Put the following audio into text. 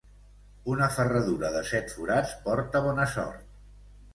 Una ferradura de set forats porta bona sort.